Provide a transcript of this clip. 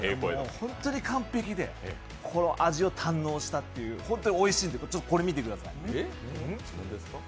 本当に完璧でこの味を堪能したっていう本当においしいんで、見てください。